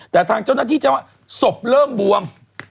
แต่ทางเจ้าหน้าที่จะว่าศพเริ่มบวม